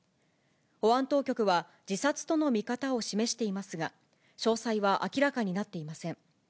保安当局は、自殺との見方を示していますが、詳細は明らかになっていません。